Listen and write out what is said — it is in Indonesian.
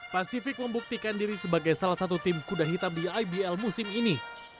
pasifik membuktikan diri sebagai salah satu tim kuda hitam di ibl musim ini